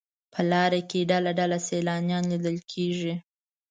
په لاره کې ډله ډله سیلانیان لیدل کېږي.